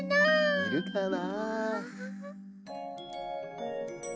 いるかな？